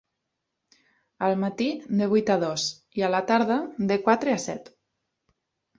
Al matí, de vuit a dos, i a la tarda, de quatre a set.